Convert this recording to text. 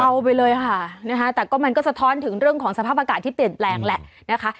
เอาไปเลยค่ะนะคะแต่ก็มันก็สะท้อนถึงเรื่องของสภาพอากาศที่เปลี่ยนแปลงแหละนะคะ